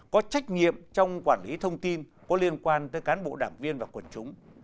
có trách nhiệm trong quản lý thông tin có liên quan tới cán bộ đảng viên và quần chúng